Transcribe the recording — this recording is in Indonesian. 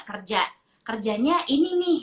kerja kerjanya ini nih